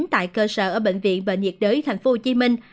tại cơ sở ở bệnh viện bệnh nhiệt đới thành phố hồ chí minh